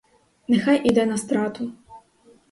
Нехай іде на страту!